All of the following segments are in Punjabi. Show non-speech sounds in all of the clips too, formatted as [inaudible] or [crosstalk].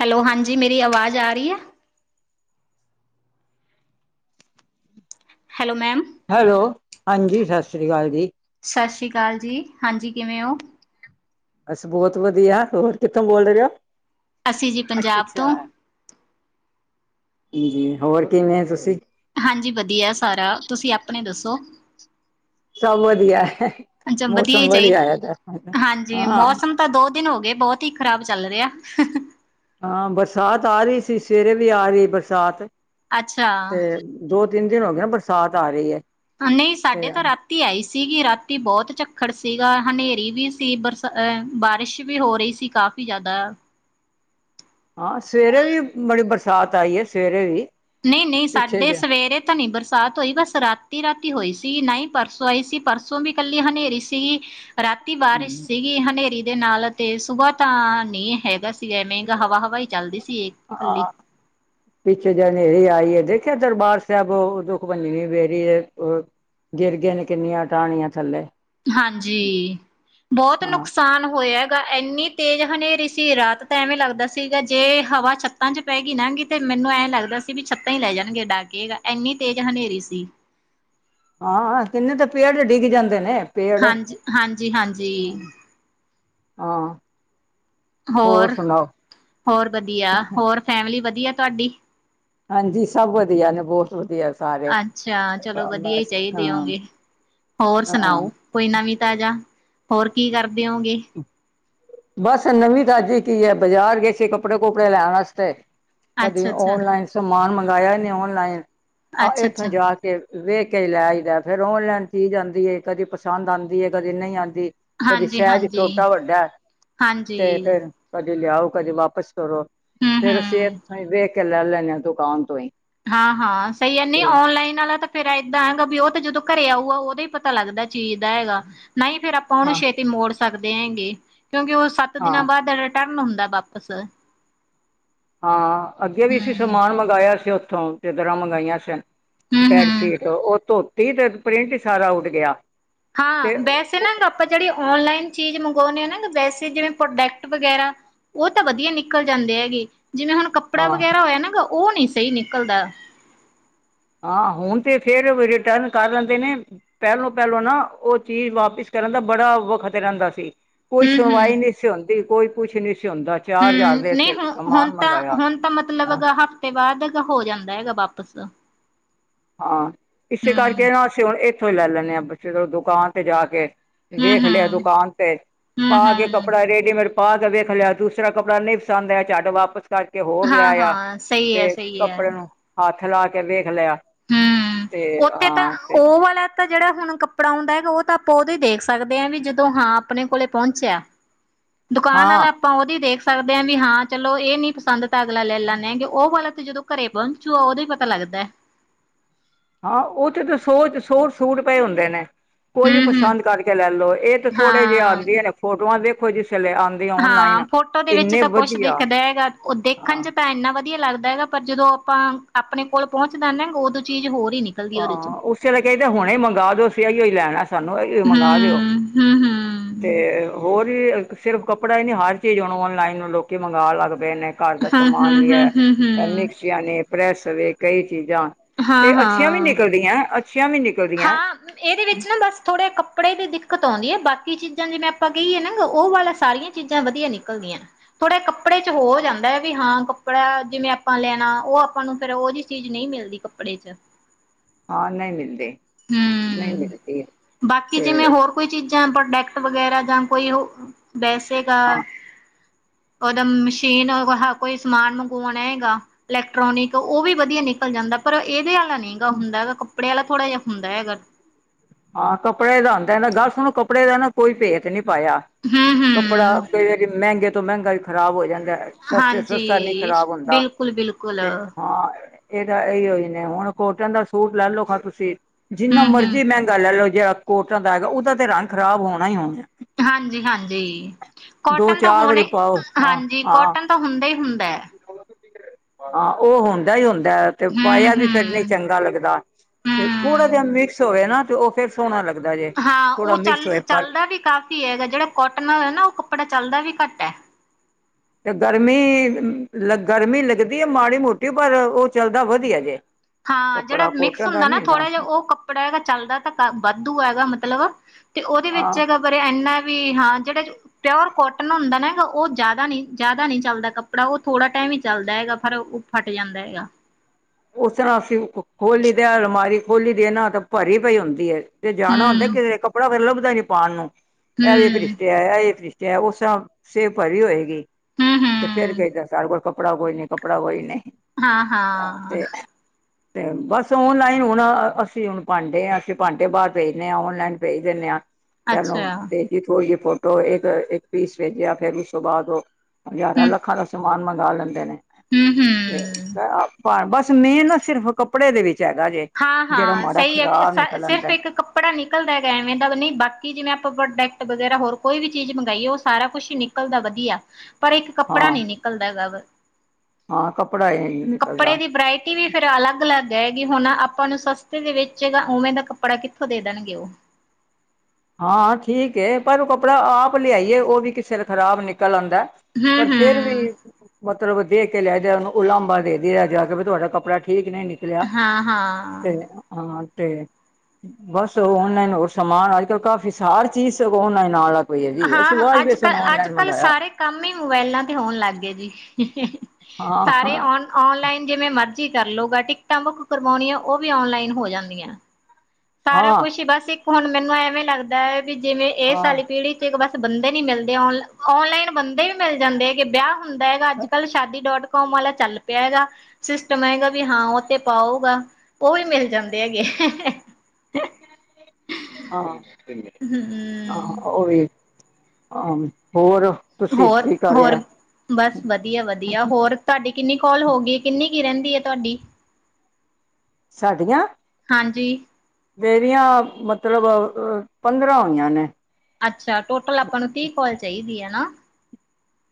ਹੈਲੋ ਹਾਂਜੀ ਮੇਰੀ ਆਵਾਜ਼ ਆ ਰਹੀ ਹੈ। Hello ma'am. ਹੈਲੋ, ਹਾਂਜੀ ਸਤਿ ਸ਼੍ਰੀ ਅਕਾਲ ਜੀ। ਸਤਿ ਸ਼੍ਰੀ ਅਕਾਲ ਜੀ ਹਾਂਜੀ ਕਿਵੇਂ ਹੋ। ਅਸੀਂ ਬਹੁਤ ਵਧੀਆ, ਹੋਰ ਕਿੱਥੋਂ ਬੋਲ ਰਹੇ ਹੋ ਅਸੀਂ ਜੀ ਅੱਛਾ ਪੰਜਾਬ ਤੋਂ -ਅੱਛਾ। ਹੋਰ ਕਿਵੇਂ ਹੋ ਤੁਸੀਂ। ਹਾਂਜੀ ਵਧੀਆ ਸਾਰਾ ਤੁਸੀਂ ਆਪਣੇ ਦੱਸੋ। ਸਭ ਵਧੀਆ ਹੈ ਅੱਛਾ ਹੀ ਮੌਸਮ ਵਧੀਆ ਚਾਹੀਦਾ ਹੈਗਾ ਹਾਂਜੀ ਹਾਂ। ਮੌਸਮ ਤਾਂ ਦੋ ਦਿਨ ਹੋ ਗਏ ਬਹੁਤ ਹੀ ਖ਼ਰਾਬ ਚੱਲ ਰਿਹਾ। ਹਾਂ ਬਰਸਾਤ ਆ ਰਹੀ ਸੀ, ਸਵੇਰੇ ਵੀ ਆ ਰਹੀ ਬਰਸਾਤ ਅੱਛਾ ਤੇ ਦੋ -ਤਿੰਨ ਦਿਨ ਹੋ ਗਏ ਬਰਸਾਤ ਆ ਰਹੀ ਹੈ। ਨਹੀਂ ਸਾਡੇ ਤੇ ਤਾਂ ਰਾਤ ਰਾਤੀ ਆਈ ਸੀਗੀ, ਰਾਤੀ ਬਹੁਤ ਝੱਖੜ ਸੀਗਾ, ਹਨੇਰੀ ਵੀ ਸੀ, ਬਰਸਾ ਬਾਰਿਸ਼ ਵੀ ਹੋ ਰਹੀ ਸੀ ਕਾਫੀ ਜ਼ਿਆਦਾ।। ਹਾਂ, ਸਵੇਰੇ ਵੀ ਬੜੀ ਬਰਸਾਤ ਆਈ ਹੈ ਸਵੇਰੇ ਵੀ। ਨਹੀਂ -ਨਹੀਂ ਪਿੱਛੇ ਸਾਡੇ ਜ ਸਵੇਰੇ। ਤਾਂ ਨਹੀਂ ਬਰਸਾਤ ਹੋਈ ਬਸ ਰਾਤੀ -ਰਾਤੀ ਹੋਈ ਸੀ ਨਾ ਹੀ ਪਰਸੋਂ ਆਈ ਸੀ ਪਰਸੋਂ ਵੀ ਇਕੱਲੀ ਹਨੇਰੀ ਸੀਗੀ। ਰਾਤੀ ਬਾਰਿਸ਼ ਸੀਗੀ ਹਨੇਰੀ ਦੇ ਨਾਲ ਅਤੇ ਸੁਬਹ ਤਾਂ ਨਹੀਂ ਹੈਗਾ ਸੀ। ਐਵੇਂ ਗਾ ਹਵਾ -ਹਵਾ ਹੀ ਚੱਲਦੀ ਸੀ ਇਹ ਇਕੱਲੀ ਪਿੱਛੇ ਜੇ ਹਨੇਰੀ ਆਈ ਹੈ ਦੇਖਿਆ ਦਰਬਾਰ ਸਾਹਿਬ ਦੁਖ-ਭੰਜਨੀ ਬੇਰੀ ਹੈ ਗਿਰਗੀਆਂ ਨੇ ਕਿੰਨੀਆਂ ਟਾਹਣੀਆਂ ਥੱਲੇ। ਹਾਂਜੀ, ਬਹੁਤ ਨੁਕਸ ਹਾਂ ਨੁਕਸਾਨ ਹੋਇਆ ਗਾ ਇੰਨੀ ਤੇਜ਼ ਹਨੇਰੀ ਸੀ ਰਾਤ ਤਾਂ ਐਵੇਂ ਲੱਗਦਾ ਸੀਗਾ ਜੇ ਹਵਾ ਚੱਕ ਛੱਤਾ ਚ ਪੈ ਗਈ ਲੰਘ ਗਈ ਤੇ ਮੈਨੂੰ ਐਂ ਲੱਗਦਾ ਸੀ ਵੀ ਛੱਤਾਂ ਹੀ ਲੈ ਜਾਣਗੇ ਉਡਾ ਕੇ ਇੰਨੀ ਤੇਜ਼ ਹਨੇਰੀ ਸੀ। ਹਾਂ-ਹਾਂ ਕਿੰਨੇ ਤਾਂ ਪੇੜ ਡਿੱਗ ਜਾਂਦੇ ਨੇ। ਪੇੜ ਹਾਂਜੀ-ਹਾਂਜੀ -ਹਾਂਜੀ। ਹਾਂ। ਹੋਰ -ਹੋਰ ਵਧੀਆ ਹੋਰ ਫੈਮਲੀ ਵਧੀਆ ਤੁਹਾਡੀ। ਹਾਂਜੀ, ਸਭ ਵਧੀਆ ਨੇ ਬਹੁਤ ਵਧੀਆ। ਸਾਰੇ ਅੱਛਾ, ਚਲੋ ਵਧੀਆ ਹੀ ਬਸ ਚਾਹੀਦੇ ਹਾਂ ਹੋਗੇ ਹੋਰ ਹਾਂ ਸੁਣਾਓ। ਕੋਈ ਨਵੀਂ ਤਾਜ਼ਾ ਹੋਰ ਕੀ ਕਰਦੇ ਹੋਗੇ। ਬਸ ਨਵੀਂ ਤਾਜ਼ੀ ਕੀ ਹੈ ਬਾਜ਼ਾਰ ਗਏ ਸੀ ਕੱਪੜੇ -ਕੁੱਪੜੇ ਲੈਣ ਵਾਸਤੇ। ਕਦੇ ਅੱਛਾ ਅੱਛਾ ਔਨਲਾਈਨ ਸਮਾਨ ਮੰਗਵਾਇਆ ਇਹਨੇ ਔਨਲਾਈਨ ਆ ਅੱਛਾ ਇੱਥੋਂ ਅੱਛਾ ਜਾ ਕੇ। ਵੇਖ ਕੇ ਹੀ ਲੈ ਆਈਦਾ ਫਿਰ ਔਨਲਾਈਨ ਚੀਜ਼ ਆਂਦੀ ਏ ਕਦੀ ਪਸੰਦ ਆਂਦੀਏ ਕਦੀ ਨਹੀਂ ਆਂਦੀ। ਹਾਂਜੀ-ਹਾਂਜੀ। ਛੋਟਾ- ਵੱਡਾ ਤੇ ਫਿਰ ਕਦੇ ਲਿਆਓ ਕਦੇ ਵਾਪਿਸ ਕਰੋ। ਹੂੰ ਫਿਰ ਅਸੀਂ ਹੂੰ ਐਥੋਂ ਈ ਵੇਖ ਕੇ ਲੈ - ਲੈੇਨੇ ਆ ਦੁਕਾਨ ਤੋਂ ਹੀ। ਹਾਂ -ਹਾਂ ਸਹੀ ਐ ਨਹੀਂ ਤੇ ਔਨਲਾਈਨ ਆਲਾ ਤਾਂ ਫਿਰ ਐਂਦਾ ਗਾ ਵੀ ਉਹ ਤਾਂ ਜਦੋਂ ਘਰੇ ਆਊਗਾ, ਉਹਦੋ ਹੀ ਪਤਾ ਲੱਗਦਾ ਚੀਜ਼ ਦਾ ਹੈਗਾ। ਨਹੀਂ ਫਿਰ ਆਪਾਂ ਉਹਨੂੰ ਹਾਂ ਛੇਤੀ ਮੋੜ ਸਕਦੇ ਹੈਗੇ। ਕਿਉਕਿ ਉਹ ਸੱਤ ਹਾਂ ਦਿਨਾਂ ਬਾਅਦ ਟਰਨ ਹੁੰਦਾ ਵਾਪਿਸ। ਹਾਂ, ਅੱਗੇ ਵੀ ਹੂੰ ਅਸੀਂ ਸਮਾਨ ਮੰਗਾਇਆ ਸੀ ਉੱਥੋਂ ਜਿੱਦਰਾਂ ਮੰਗਾਈਆਂ ਸੀ। ਹੂੰ ਹੂੰ ਬੈਡਸ਼ੀਟ ਉਹ ਧੋਤੀ ਤੇ ਪ੍ਰਿੰਟ ਹੀ ਸਾਰਾ ਉੱਡ ਗਿਆ। ਹਾਂ ਤੇ ਬੈਸੇ ਉਹ- ਨਾ ਆਪਾਂ ਜਿਹੜੀ ਔਨਲਾਈਨ ਚੀਜ਼ ਮੰਗਾਉਣੇ ਆ ਨਾ ਵੈਸੇ ਜਿਵੇਂ ਪ੍ਰੋਡਕਟ ਵਗੈਰਾ। ਉਹ ਤਾਂ ਵਧੀਆ ਨਿਕਲ ਜਾਂਦੇ ਹੈਗੇ। ਜਿਵੇਂ ਹੁਣ ਕੱਪੜਾ ਹਾਂ ਵਗੈਰਾ ਹੋਇਆ ਨਾ ਉਹ ਨਹੀ ਸਹੀ ਨਿਕਲਦਾ। ਹਾਂ, ਹੁਣ ਤਾਂ ਫਿਰ ਰਿਟਰਨ ਲੈਂਦੇ ਨੇ। ਪਹਿਲੋਂ ਪਹਿਲੋਂ ਨਾ ਉਹ ਚੀਜ਼ ਵਾਪਿਸ ਕਰਨ ਦਾ ਬੜਾ ਵਖ਼ਤ ਰਹਿੰਦਾ ਸੀ। ਕੋਈ ਹੂੰ ਹੂੰ ਸੁਣਵਾਈ ਨਹੀਂ ਸੀ ਹੁੰਦੀ, ਕੋਈ ਕੁਛ ਨਹੀਂ ਸੀ ਹੁੰਦਾ, ਚਾਰ ਹਜ਼ਾਰ ਦੇ ਹੂੰ ਨਹੀਂ ਅਸੀ ਹੁਣ ਹੁਣ ਸਮਾਨ ਤਾਂ ਮੰਗਵਾਇਆ। ਹੁਣ ਮਤਲਬ ਹਫ਼ਤੇ ਬਾਅਦ ਹੋ ਜਾਂਦਾ ਗਾ ਵਾਪਿਸ। ਹਾਂ ਇਸੇ ਕਰਕੇ ਨਾ ਅਸੀਂ ਹੁਣ ਇੱਥੋਂ ਹੀ ਲੈ ਲੈਨੇ ਹਾਂ ਦੁਕਾਨ ਤੇ ਜਾ ਕੇ। ਹੂੰ ਵੇਖ ਲਿਆ ਹੂੰ ਦੁਕਾਨ ਤੇ। ਹੂੰ ਪਾ ਕੇ ਹੂੰ ਕੱਪੜਾ ਰੇਡੀਮੇਡ ਪਾ ਕੇ ਵੇਖ ਲਿਆ ਦੂਸਰਾ ਕੱਪੜਾ ਨਹੀਂ ਪਸੰਦ ਆਇਆ ਝੱਟ ਵਾਪਸ ਕਰਕੇ ਹੋਰ ਲੈ ਹਾਂ ਆਇਆ ਹਾਂ ਸਹੀ ਹੈ ਤੇ ਸਹੀ ਹੈ ਕੱਪੜੇ ਨੂੰ ਹੱਥ ਲਾ ਕੇ ਵੇਖ ਲਿਆ। ਹਮ ਤੇ ਉੱਥੇ ਹਾਂ ਤੇ ਉਹ ਵਾਲਾ ਤਾਂ ਜਿਹੜਾ ਹੁਣ ਕੱਪੜਾ ਆਉਦਾ ਗਾ। ਉਹ ਤਾਂ ਆਪਾਂ ਉਦੋਂ ਹੀ ਦੇਖ ਸਕਦੇ ਹਾਂ ਵੀ ਜਦੋਂ ਹਾਂ ਆਪਣੇ ਕੋਲ ਪਹੁੰਚਿਆ। ਦੁਕਾਨ ਹਾਂ ਆਲਾ ਆਪਾਂ ਉਹਦੀ ਦੇਖ ਸਕਦੇ ਹਾਂ ਵੀ ਹਾਂ ਚਲੋ ਇਹ ਨੀ ਪਸੰਦ ਤਾਂ ਅਗਲਾ ਲੈ ਲੈਨੇ ਗੇ ਉਹ ਵਾਲਾ ਤਾਂ ਜਦੋਂ ਘਰੇ ਪਹੁੰਚੂ ਉਹਦੋ ਈ ਪਤਾ ਲੱਗਦਾ। ਹਾਂ, ਉੱਥੇ ਤਾਂ ਸੋਹ ਚ ਸੋਰ ਸੂਟ ਪਏ ਹੁੰਦੇ ਨੇ। ਕੋਈ ਹੂੰ ਹੂੰ ਪਸੰਦ ਕਰਕੇ ਲੈਲੋ। ਇਹ ਤੇ ਥੋੜੇ ਜਿਹੇ ਹਾਂ ਆਂਦੇ ਨੇ ਫੋਟੋਆਂ ਦੇਖੋ ਦੇ ਕਿਸੇ ਆ। ਹਾਂ, ਫੋਟੋ ਦੇ ਵਿੱਚ ਕੁੱਛ ਦਿਖਦਾ ਹੈਗਾ ਉਹ ਹਾਂ ਦੇਖਣ ਚ ਤਾਂ ਇੰਨਾ ਵਧੀਆ ਲੱਗਦਾ ਹੈਗਾ। ਪਰ ਜਦੋਂ ਆਪਾਂ ਆਪਣੇ ਕੋਲ ਪਹੁੰਚਦਾ ਨਾ ਉਦੋਂ ਚੀਜ਼ ਹੋਰ ਹੀ ਨੀ ਹਾਂ, ਉਸੇ ਵੇਲੇ ਹੁਣੇ ਮੰਗਾ ਦਿਓ ਅਸੀ ਅਹੀਓ ਹੀ ਲੈਣਾ ਸਾਨੂੰ ਇਹੋ ਮੰਗਾ ਦਿਓ। ਹਮ ਹਮ। ਤੇ ਹੋਰ ਵੀ ਸਿਰਫ ਕੱਪੜਾ ਹੀ ਨੀ ਹਰ ਚੀਜ਼ ਹੁਣ ਔਨਲਾਈਨ ਲੋਕੀ ਮੰਗਵਾਣ ਲੱਗ ਪਏ ਨੇ। ਘਰ ਦਾ ਹੂੰ ਹੂੰ ਸਮਾਨ ਵੀ ਹੂੰ ਐ। ਹੂੰ ਹੂੰ ਮਿਕਸੀਆ ਨੇ ਪ੍ਰੈਸ ਵੀ ਕਈ ਚੀਜ਼ਾਂ। ਹਾਂ ਤੇ ਅੱਛੀਆਂ ਵੀ ਹਾਂ। ਅੱਛੀਆਂ ਵੀ ਨਿਕ- ਹਾਂ‌। ਇਹਦੇ ਵਿੱਚ ਨਾ ਬਸ ਥੋੜ੍ਹੇ ਕੱਪੜੇ ਦੀ ਦਿੱਕਤ ਆਉਦੀ ਏ, ਬਾਕੀ ਚੀਜ਼ਾਂ ਜਿਵੇਂ ਆਪਾਂ ਕਹੀਏ ਨਾ ਉਹ ਵਾਲਾ ਸਾਰੀਆਂ ਚੀਜ਼ਾਂ ਵਧੀਆ ਨਿਕਲਦੀਆਂ। ਥੋੜੇ ਕੱਪੜੇ ਚ ਹੋ ਹਾਂ ਜਾਂਦਾ ਹੈ ਵੀ ਹਾਂ ਜਿਵੇ ਆਪਾਂ ਲੈਣਾ। ਉਹ ਆਪਾਂ ਨੂੰ ਫਿਰ ਉਹਦੀ ਚੀਜ਼ ਨਹੀਂ ਮਿਲਦੀ ਕੱਪੜੇ ਚ। ਹਾਂ ਨਹੀਂ ਮਿਲਦੀ। ਨਹੀਂ ਹੂ, ਬਾਕੀ ਜਿਵੇਂ ਤੇ ਹੋਰ ਕੋਈ ਚੀਜ਼ਾਂ ਪ੍ਰੋਡੈਕਟ ਵਗੈਰਾ ਜਾਂ ਕੋਈ ਹੋ ਵੈਸੇਗਾ। ਹਾਂ ਉਹਦਾ ਮਸ਼ੀਨ ਕੋਈ ਸਮਾਨ ਮੰਗਵਾਣਾ ਹੈਗਾ। ਇਲੈਕਟ੍ਰੋਨਿਕ। ਉਹ ਵੀ ਵਧੀਆ ਨਿਕਲ ਜਾਂਦਾ ਪਰ ਇਹਦੇ ਆਲਾ ਨੀ ਗਾ ਹੁੰਦਾ ਗਾ ਕੱਪੜੇ ਵਾਲਾ ਥੋੜ੍ਹਾ ਜਿਹਾ ਹੁੰਦਾ ਹੈਗਾ। ਹਾਂ, ਕੱਪੜੇ ਦਾ ਆਂਦਾ ਦਾ ਗੱਲ ਸੁਣੋ ਕੱਪੜੇ ਦਾ ਨਾ ਕੋਈ ਭੇਤ ਨੀ ਪਾਇਆ। ਹੂੰ ਕੱਪੜਾ ਹੂੰ ਕੀ ਵਾਰੀ ਮਹਿੰਗੇ ਤੋਂ ਮਹਿੰਗਾ ਵੀ ਖ਼ਰਾਬ ਹੋ ਜਾਂਦਾ। ਸਸਤੇ ਤੋਂ ਸਸਤਾ ਨੀ ਹਾਂਜੀ, ਖ਼ਰਾਬ ਹੁੰਦਾ ਬਿਲਕੁਲ-ਬਿਲਕੁਲ, ਤੇ ਏ। ਇਹ ਤਾਂ ਇਹੀਓ ਹੀ ਨੇ ਹੁਣ ਕੋਟਨ ਦਾ ਸੂਟ ਲੈ ਲਓ ਖਾਂ ਤੁਸੀਂ ਜਿੰਨਾ ਹੂੰ-ਹੂੰ, ਮਰਜ਼ੀ ਮਹਿੰਗਾ ਮਤਲਬ ਜਿਹੜਾ ਕੋਰਟ ਹੁੰਦਾ ਹੈਗਾ। ਉਹਦਾ ਤੇ ਰੰਗ ਖਰਾਬ ਹੀ ਹੋਣਾ ਹੀ ਹੋਣਾ। ਹਾਂਜੀ-ਹਾਂਜੀ। ਦੋ ਕੋਟਨ ਤਾਂ ਚਾਰ ਵਾਰੀ ਹਣੇ, ਪਾਓ ਹਾਂ ਹਾਂਜੀ ਹਾਂ ਕਾਟਨ ਤਾਂ ਹੁੰਦਾ ਹੀ ਹੁੰਦਾ। ਹਾਂ ਉਹ ਹੁੰਦਾ ਹੀ ਹੁੰਦਾ ਤੇ ਪਾਇਆ ਵੀ ਹੂੰ-ਹੂੰ, ਫਿਰ ਨਹੀਂ ਚੰਗਾ ਲੱਗਦਾ, ਹੂੰ। ਤੇ ਥੋੜਾ ਜਿਹਾ ਹੂੰ, ਮਿਕਸ ਹੋਵੇ ਨਾ ਤੇ ਉਹ ਫਿਰ ਸੋਹਣਾ ਲੱਗਦਾ ਜੇ, ਥੋੜਾ ਮਿਕਸ ਹੋਏ ਪਰ ਕਿ ਹੈਗਾ, ਜਿਹੜਾ ਕੋਟਨ ਹੈਗਾ ਨਾ ਉਹ ਕੱਪੜਾ ਚੱਲਦਾ ਵੀ ਘੱਟ ਐ। ਤੇ ਗਰਮੀ-ਗਰਮੀ ਲੱਗਦੀ ਐ ਮਾੜੀ ਮੋਟੀ ਪਰ ਉਹ ਚੱਲਦਾ ਵਧੀਆ ਜੇ। ਹਾਂ, ਜਿਹੜਾ ਕੱਪੜਾ ਮਿਕਸ ਕੋਟਨ ਦਾ ਹੁੰਦਾ ਨਾ ਨੀ ਥੋੜਾ ਜਿਹਾ ਉਹ ਕੱਪੜਾ ਚੱਲਦਾ ਤਾਂ ਵਾਧੂ ਆ ਮਤਲਬ ਤੇ ਉਹਦੇ ਵਿੱਚ ਹਾਂ ਹੈਗਾ ਪਰ ਇੰਨਾ ਵੀ ਹਾਂ ਜਿਹੜਾ ਪਿਓਰ ਕੋਟਨ ਹੁੰਦਾ ਨਾ ਹੈਗਾ, ਉਹ ਜ਼ਿਆਦਾ ਨੀ, ਜਿਆਦਾ ਨੀ ਚੱਲਦਾ ਕੱਪੜਾ ਉਹ ਥੋੜਾ ਟਾਈਮ ਹੀ ਚੱਲਦਾ ਹੈਗਾ ਫਿਰ ਫੱਟ ਜਾਂਦਾ ਹੈਗਾ। ਉਸ ਤਰ੍ਹਾਂ ਅਸੀ, ਖੋਲੀ ਦੇ ਅਲਮਾਰੀ ਖੋਲੀ ਤੇ ਨਾ ਭਰੀ ਪਈ ਹੁੰਦੀ ਐ। ਤੇ ਜਾਣਾ ਹੁੰਦਾ ਹੂੰ ਕਿਤੇ, ਕੱਪੜਾ ਲੱਭਦਾ ਨੀ ਪਾਉਣ ਨੂੰ, ਐ ਵੀ ਹੂੰ ਭਰਿਸ਼ਟੇ ਆ ਇਹ ਵੀ ਭਰਿਸ਼ਟ ਚਾਹੇ ਉਹ ਸਭ ਸੇਬ ਭਰੀ ਹੋਏਗੀ, ਹੂੰ ਤੇ ਫੇਰ ਹੂੰ ਕਿਹੇਗਾ ਸਾਡੇ ਕੋਲ ਕੱਪੜਾ ਕੋਈ ਨੀ ਕੱਪੜਾ ਕੋਈ ਨੀ। ਹਾਂ-ਹਾਂ। ' [inaudible] ਤੇ ਬੱਸ ਔਨਲਾਈਨ ਹੁਣ, ਅਸੀਂ ਹੁਣ ਭਾਂਡੇ ਹਾਂ ਅਸੀਂ ਭਾਂਡੇ ਬਾਹਰ ਭੇਜ ਦਿੰਦੇ ਹਾਂ ਦੇ ਆ ਔਨ-ਲਾਈਨ ਭੇਜ ਦਿੰਦੇ ਹਾਂ। ਪਹਿਲੋਂ ਅੱਛਾ ਭੇਜੀ ਕੋਈ ਫੋਟੋ ਆ ਇੱਕ-ਇੱਕ ਪੀਸ ਰਹਿ ਗਿਆ ਫਿਰ ਉਸ ਤੋ ਬਾਅਦ ਦਿਓ। ਹਜ਼ਾਰਾਂ-ਲੱਖਾਂ ਦਾ ਸਮਾਨ ਮੰਗਵਾ ਲੈਂਦੇ ਨੇ। ਹਮ ਆਪਾ ਬੱਸ ਮੇਨ ਨਾ ਸਿਰਫ ਕੱਪੜੇ ਦੇ ਵਿੱਚ ਹੈਗਾ ਜੇ। ਜਿਹੜਾ ਹਾਂ-ਹਾਂ, ਮਾੜਾ ਸਹੀ ਏ, ਖ਼ਰਾਬ ਨਿਕਲ ਸਿਰਫ ਆਂਦਾ ਇੱਕ ਕੱਪ ਕੱਪੜਾ ਨਿਕਲਦਾ ਐਵੇਂ ਦਾ ਨਹੀਂ ਬਾਕੀ ਜਿਵੇਂ ਆਪਾਂ ਪ੍ਰੋਡਕਟ ਵਗੈਰਾ ਹੋਰ ਕੋਈ ਵੀ ਚੀਜ਼ ਮੰਗਾਈਏ ਉਹ ਸਾਰਾ ਕੁਛ ਨਿਕ ਨਿਕਲਦਾ ਵਧੀਆ ਪਰ ਇੱਕ ਕੱਪੜਾ ਹਾਂ ਨੀ ਨਿਕਲਦਾ ਗਾ ਵਾ। ਹਾਂ, ਕੱਪੜਾ ਏ ਅਈ ਨਿਕਲਦਾ। ਏ ਵੀ ਫਿਰ ਅਲੱਗ-ਅਲੱਗ ਹੈਏਗੀ ਹੁਣ ਆਪਾਂ ਨੂੰ ਸਸਤੇ ਦੇ ਵਿੱਚ ਗਾ, ਉਵੇਂ ਦਾ ਕੱਪੜਾ ਕਿੱਥੋਂ ਦੇ ਦੇਣਗੇ ਉਹ ਹਾਂ, ਠੀਕ ਐ ਪਰ ਉਹ ਕੱਪੜਾ ਆਪ ਲਿਆਈਏ ਉਹ ਵੀ ਕਿਸੇ ਦਾ ਖ਼ਰਾਬ ਨਿਕਲ ਆਂਦਾ। ਪਰ ਫੇਰ ਹੂੰ-ਹੂੰ ਵੀ ਮਤਲਬ ਦੇਖ ਕੇ ਲੈ ਜਾ ਉਹਨੂੰ ਉਲਾਂਬਾ ਦੇ-ਦੇ ਜਾ ਕੇ ਤੁਹਾਡਾ ਕੱਪੜਾ ਠੀਕ ਨਹੀਂ ਨਿਕ ਲਿਆ ਹਾਂ-ਹਾਂ ਤੇ ਹਾਂ, ਤੇ, ਬੱਸ ਉਹ ਔਨਲਾਈਨ ਹੋਰ ਸਮਾਨ ਆ ਕਾਫੀ਼ ਸਾਰ ਚੀਜ਼ ਔਨਲਾਈਨ ਆਣ ਲੱਗ ਪਈ ਆ ਹਾਂ ਜੀ ਹਾਂ ਅਸੀਂ ਹਾਂ ਅੱਜ ਵਾਸ਼ਵੇਸ਼ਣ ਕੱਲ ਅੱਜ ਆਨਲਾਈਨ ਕੱਲ੍ਹ ਮੰਗਾਇਆ। ਸਾਰੇ ਕੰਮ ਹੀ ਮੋਬਾਇਲਾਂ ਤੇ ਹੋਣ ਲੱਗ ਗਏ ਜੀ, ਹਾਂ ਸਾਰੇ ਹਾਂ ਔਨ ਓਨਲਾਈਨ ਜਿਵੇਂ ਮਰਜੀ ਕਰਲੋ ਟਿਕਟਾਂ ਬੁੱਕ ਕਰਵਾਉਣੀਆਂ ਉਹ ਵੀ ਓਨਲਾਈਨ ਹੋ ਜਾਂਦੀਆਂ। ਸਾਰਾ ਹਾਂ ਕੁਛ ਹੀ ਬੱਸ ਇੱਕ ਹੁਣ ਮੈਨੂੰ ਐਵੇਂ ਲੱਗਦਾ ਹੈ ਵੀ ਜਿਵੇਂ ਇਹ ਹਾਂ ਸਾਰੀ ਪੀੜ੍ਹੀ ਇੱਕ ਬੱਸ ਬੰਦੇ ਨੀ ਮਿਲਦੇ, ਔਨਲਾਈਨ ਬੰਦੇ ਵੀ ਮਿਲ ਜਾਂਦੇ ਹੈਗੇ ਵਿਆਹ ਹੁੰਦਾ ਹੈਗਾ। ਅੱਜ-ਕੱਲ੍ਹ ਸ਼ਾਦੀ ਡੋਟ ਕੋਮ ਵਾਲਾ ਚੱਲ ਪਿਆ ਹੈਗਾ, ਸਿਸਟਮ ਹੈਗਾ ਵੀ ਹਾਂ ਉਹ ਤੇ ਪਾਊਗਾ। ਉਹ ਹੀ ਮਿਲ ਜਾਂਦੇ ਹੈਗੇ। ਹਾਂ ਹਮ ਆਹ, ਉਹ ਵੀ ਆਹ ਹੋਰ? ਤੁਸੀਂ ਕੀ ਕਰ ਹੋਰ-ਹੋਰ, ਰਿਹਾ ਬੱਸ ਵਧੀਆ- ਵਧੀਆ ਹੋਰ। ਤੁਹਾਡੀ ਕਿੰਨੀ ਕਾਲ ਹੋ ਗਈ, ਕਿੰਨੀ ਕ ਰਹਿੰਦੀ ਐ ਤੁਹਾਡੀ? ਸਾਡੀਆਂ ਹਾਂਜੀ ਮੇਰੀਆਂ, ਮਤਲਬ ਪੰਦਰਾਂ ਹੋਈਆਂ ਨੇ। ਅੱਛਾ, ਟੋਟਲ ਆਪਾਂ ਨੂੰ ਤੀਹ ਕਾਲ ਚਾਹੀਦੀ ਹੈਨਾ।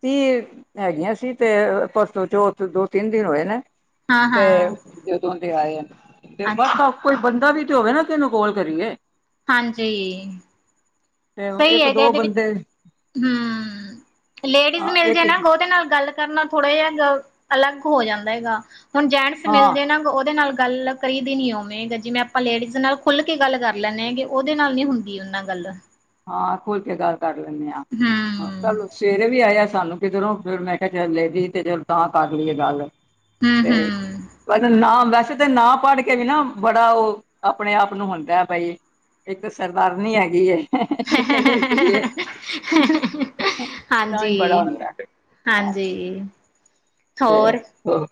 ਤੀਹ ਹੈਗੀਆਂ ਸੀ, ਤੇ ਪਰਸੋਂ ਚੋ ਦੋ -ਤਿੰਨ ਦਿਨ ਹੋਏ ਨੇ। ਹਾਂ ਤੇ ਹਾਂ ਜਦੋਂ ਦੇ ਆਏ, ਤੇ ਅੱਛਾ ਵਾਹ। ਕੋਈ ਬੰਦਾ ਵੀ ਤੇ ਹੋਵੇ ਨਾ, ਕਿਹਨੂੰ ਕੋਲ ਕਰੀਏ? ਹਾਂਜੀ। ਤੇ ਸਹੀ ਇੱਕ ਹੈਗਾ ਦੋ ਇਹਦੇ ਵਿੱਚ, ਬੰਦੇ ਹਮ, ਲੇਡੀਜ਼ ਮਿਲ ਇੱਕ ਜੇ ਨਾ ਉਹਦੇ ਨਾਲ ਗਲਤ ਕਰਨਾ ਥੋੜ੍ਹਾ ਜਿਹਾ ਅਲੱਗ ਹੋ ਜਾਂਦਾ ਹੈਗਾ, ਹੁਣ ਜੈਂਟਸ ਹਾਂ ਮਿਲਦੇ ਨਾ ਉਹਦੇ ਨਾਲ ਗੱਲ ਕਰਹੀ ਦੀ ਨੀ ਉਵੇਂ ਜਿਵੇਂ ਆਪਾਂ ਲੇਡੀਜ਼ ਨਾਲ ਖੁੱਲ ਕੇ ਗੱਲ ਕਰ ਲੈਂਦੇ ਹੈਗੇ, ਉਹਦੇ ਨਾਲ ਨੀ ਹੁੰਦੀ ਉਹਨਾਂ ਗੱਲ। ਹਾਂ, ਖੁੱਲਕੇ ਗੱਲ ਕਰ ਲੈਂਦੇ ਹਾਂ। ਹੂੰ। ਚੱਲ ਸਵੇਰੇ ਵੀ ਆਇਆ ਸਾਨੂੰ ਕਿਧਰੋਂ, ਫਿਰ ਮੈਂ ਕਿਹਾ ਚ ਲੈ ਦੀ ਤੇ ਚਲ ਤਾਂ ਕਰ ਲਈਏ ਗੱਲ। ਤੇ ਹੂੰ-ਹੂੰ [unintelligible] ਪਦਾ ਨ ਵੈਸੇ ਤੇ ਨਾ ਪੜ ਕੇ ਵੀ ਨਾ, ਬੜਾ ਉਹ ਆਪਣੇ ਆਪ ਨੂੰ ਹੁੰਦਾ ਹੈ, ਬਈ। ਇੱਕ ਸਰਦਾਰਨੀ ਹੈਗੀ ਐ। [unintelligible] ਤਾਂ ਹੀ ਬੜਾ ਹੁੰਦਾ। ਹਾਂ। ਹਾਂਜੀ, ਹੋਰ? ਹਾਂ।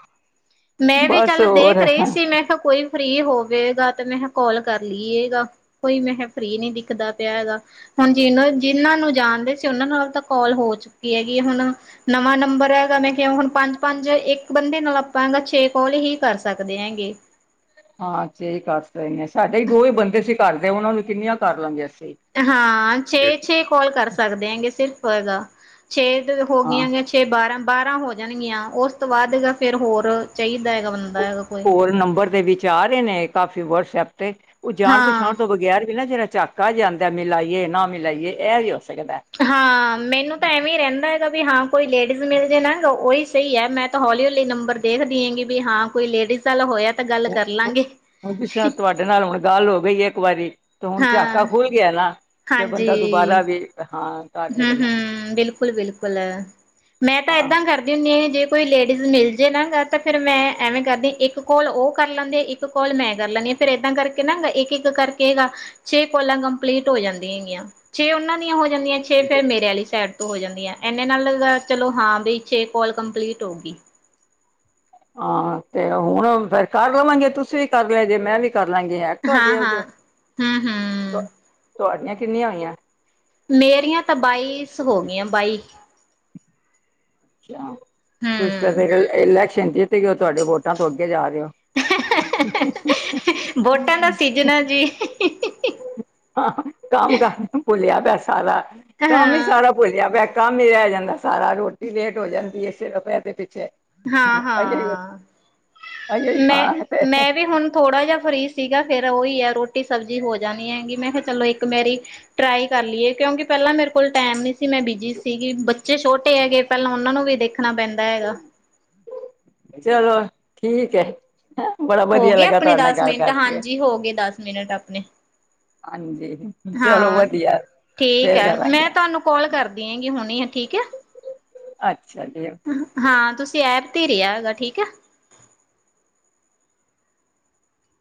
ਮੈਂ ਵੀ ਚੱਲ ਦੇਖ ਰਹੀ ਸੀ, ਮੈਂ ਕਿਹਾ ਕੋਈ ਫਰੀ ਹੋਵੇਗਾ, ਤੇ ਮੈਂ ਕਾਲ ਕਰ ਲਈਏਗਾ, ਕੋਈ ਮੈਂ ਕਿਹਾ ਫਰੀ ਨਹੀਂ ਦਿਖਦਾ ਪਿਆ ਹੈਗਾ। ਹੁਣ ਜਿਨਾਂ ਨੂੰ ਜਾਣਦੇ ਸੀ, ਉਹਨਾਂ ਨਾਲ ਤਾਂ ਕਾਲ ਹੋ ਚੁੱਕੀ ਹੈਗੀ ਆ ਹੁਣ। ਨਵਾਂ ਨੰਬਰ ਹੈਗਾ, ਮੈਂ ਕਿਹਾ ਹੁਣ ਪੰਜ -ਪੰਜ ਇੱਕ ਬੰਦੇ ਨਾਲ ਆਪਾਂ ਛੇ ਕਾਲ ਹੀ ਕਰ ਸਕਦੇ ਹੈਂਗੇ। ਹਾਂ ਛੇਹੀ ਕਰ ਸਕਦੇ ਸਾਡੇ ਹੀ ਦੋ ਹੀ ਬੰਦੇ ਸੀ ਘਰਦੇ, ਉਹਨਾਂ ਨੂੰ ਕਿੰਨੀਆਂ ਕਰ ਲਾਂਗੇ ਅਸੀ। ਹਾਂ ਛੇ -ਛੇ ਕਾਲ ਕਰ ਸਕਦੇ ਹੈਗੇ, ਸਿਰਫ ਹੈਗਾ, ਛੇ ਹਾਂ ਹੋਗੀਆਂ ਗ ਛੇ, ਛੇ ਬਾਰਾਂ ਹੋ ਜਾਣਗੀਆਂ ਉਸ ਤੋਂ ਬਾਅਦ ਹੈਗਾ, ਫਿਰ ਹੋਰ ਚਾਹੀਦਾ ਹੈਗਾ ਬੰਦਾ ਹੈਗਾ। ਕੋਈ ਹੋਰ ਨੰਬਰ ਦੇ ਵਿੱਚ ਆ ਰਹੇ ਨੇ, ਕਾਫੀ ਵਟਸਐਪ 'ਤੇ। ਉਹ ਜਾਣ ਹਾਂ। -ਪਛਾਣ ਤੋਂ ਬਗੈਰ ਵੀ ਨਾ ਜਿਹੜਾ ਝਾਕਾ ਜਾਂਦਾ ਮਿਲਾਈਏ ਨਾ ਮਿਲਾਈਏ, ਇਹ ਵੀ ਹੋ ਸਕਦਾ। ਹਾਂ, ਮੈਨੂੰ ਤਾਂ ਐਵੇਂ ਰਹਿੰਦਾ। ਵੀ ਹਾਂ ਕੋਈ ਲੇਡੀਜ਼ ਮਿਲ ਜੇ ਨਾ, ਉਹੀ ਸਹੀ ਹੈ, ਮੈਂ ਤਾਂ ਹੌਲੀ- ਹੌਲੀ ਨੰਬਰ ਦੇਖ ਦੀਆ, ਵੀ ਹਾਂ ਕੋਈ ਲੇਡੀਜ਼ ਚੱਲ ਹੋਇਆ, ਤਾਂ ਗੱਲ ਕਰ ਲਾਂਗੇ। ਸਾਡੇ ਨਾਲ ਹੁਣ ਗੱਲ ਹੋ ਗਈ ਹੈ ਇੱਕ ਵਾਰੀ, ਤੇ ਹੁਣ ਹਾਂ ਝਾਕਾ ਖੁਲ ਗਿਆ ਨਾ, ਤੇ ਬੰਦਾ ਦੁਬਾਰਾ ਵੀ ਹਾਂ। ਕਰ ਹਮ ਸਕਦਾ -ਹਮ, ਬਿਲਕੁਲ- ਬਿਲਕੁਲ, ਮੈਂ ਤਾਂ ਹਾਂ ਏਦਾਂ ਕਰ ਹੁੰਦੇ ਜੇ ਕੋਈ ਲੇਡੀਜ਼ ਮਿਲ ਜੇ ਨਾ, ਗਾ ਤਾਂ ਫ਼ਿਰ ਮੈਂ ਐਵੇਂ ਕਰਦੀ ਇੱਕ ਇੱਕ ਕਾਲ ਉਹ ਕਰ ਲੈਂਦੇ, ਇੱਕ ਕਾਲ ਮੈਂ ਕਰ ਲੈਂਦੀ ਹਾਂ, ਫੇਰ ਏਦਾਂ ਕਰਕੇ ਨਾ ਇੱਕ ਇੱਕ ਕਰਕੇ ਗਾ, ਛੇ ਕਾਲਾਂ ਕੰਪਲੀਟ ਹੋ ਜਾਂਦੀਆਂ ਹੈਗੀਆਂ, ਛੇ ਉਹਨਾਂ ਦੀਆਂ ਹੋ ਜਾਂਦੀਆਂ ਛੇ ਫਿਰ ਗਏ ਮੇਰੇ ਵਾਲੀ ਸਾਈਡ ਤੋਂ ਹੋ ਜਾਂਦੀ ਆ ਇਨੇ ਨਾਲ ਚਲੋ ਹਾਂ ਬਈ ਛੇ ਕਾਲ ਕੰਪਲੀਟ ਹੋਊਗੀ। ਹਾਂ ਤੇ ਹੁਣ ਫੇਰ ਕਰ ਲਵਾਂਗੇ, ਤੁਸੀਂ ਵੀ ਕਰ ਲੈ ਜੇ, ਮੈਂ ਵੀ ਕਰ ਲਾਂਗੀ। ਤੁਹਾਡੇ ਚ ਹਾਂ-ਹਾਂ, ਹੂੰ-ਹੂੰ, [unintelligible] ਤੁਹਾਡੀਆਂ ਕਿੰਨੀਆਂ ਹੋਈਆਂ। ਮੇਰੀਆਂ ਤਾਂ ਬਾਈਸ ਹੋ ਗਈਆਂ, ਬਾਈ। ਅੱਛਾ, ਤੁਸੀਂ ਤਾਂ ਹੂੰ, ਫਿਰ ਇਲੈਕਸ਼ਨ ਜਿੱਤ ਗਏ ਹੋ, ਉਹ ਤੁਹਾਡੇ ਵੋਟਾਂ ਤੋਂ ਅੱਗੇ ਜਾ ਰਹੇ ਆ। [unintelligible] ਵੋਟਾਂ ਦਾ ਸੀਜਨ ਆ ਜੀ। ਕੰਮ- ਕਾਰ ਭੁੱਲਿਆ ਪਿਆ ਸਾਰਾ, ਕੰਮ ਹੀ ਹਾਂ, ਸਾਰਾ ਭੁੱਲਿਆ ਪਿਆ। ਕੰਮ ਹੀ ਰਹਿ ਜਾਂਦਾ ਸਾਰਾ, ਰੋਟੀ ਲੇਟ ਹੋ ਜਾਂਦੀ ਸਿਰਫ ਇਹਦੇ ਪਿੱਛੇ। ਹਾਂ ਅ -ਹਾਂ ਅ ਮੈਂ ਖਾਣਾ ਤੇ -ਮੈਂ ਵੀ ਹੁਣ ਥੋੜਾ ਜਿਹਾ ਫਰੀ ਸੀਗਾ ਫਿਰ ਉਹੀ ਐ ਰੋਟੀ ਸਬਜ਼ੀ ਹੋ ਜਾਣੀ ਹੈਗੀ ਮੈਂ ਕਿਹਾ ਚਲੋ ਇੱਕ ਮੇਰੀ ਟਰਾਈ ਕਰ ਲਈਏ, ਕਿਉਂਕਿ ਪਹਿਲਾਂ ਮੇਰੇ ਕੋਲ ਟਾਈਮ ਨਹੀਂ ਸੀ ਮੈਂ ਬਿਜੀ ਸੀਗੀ ਬੱਚੇ ਛੋਟੇ ਹੈਗੇ। ਪਹਿਲਾਂ ਉਹਨਾਂ ਨੂੰ ਵੀ ਦੇਖਣਾ ਪੈਂਦਾ ਹੈਗਾ। ਚਲੋ ਠੀਕ ਐ। ਹੈਂ ਬੜਾ ਹੋ ਵਧੀਆ ਗਏ ਲੱਗਾ ਆਪਣੇ ਤੁਹਾਡੇ ਨਾਲ ਦਸ ਗੱਲ ਮਿੰਟ ਕਰਕੇ ਹਾਂਜੀ ਹੋ ਗਏ ਦਸ ਮਿੰਟ ਆਪਣੇ ਹਾਂਜੀ, ਚਲੋ ਹਾਂ ਵਧੀਆ, ਠੀਕ ਫੇਰ ਹੈ ਮੈਂ ਕਰਾਂਗੇ। ਤੁਹਾਨੂੰ ਕਾਲ ਕਰਦੀ ਹੈਗੀ ਹੁਣੀ ਆ ਠੀਕ ਆ। ਅੱਛਾ ਫਿਰ ਹਾਂ ਤੁਸੀਂ ਐਪ ਤੇ ਹੀ ਰਿਹਾ ਗਾ ਠੀਕ ਆ।